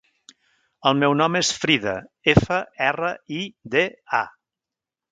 El meu nom és Frida: efa, erra, i, de, a.